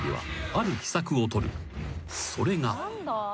［それが］